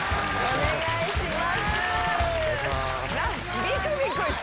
お願いします。